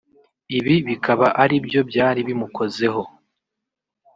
Ibi bikaba aribyo byari bimukozeho